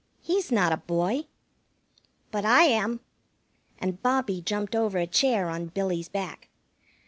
"He's not a boy." "But I am." And Bobbie jumped over a chair on Billy's back.